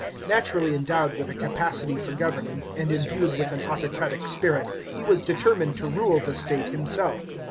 Naturally endowed with a cap>city for governing, and imbued with an autocratic spirit, he was determined to rule the state himself.